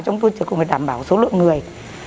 chúng tôi chỉ có thể đảm bảo số lượng người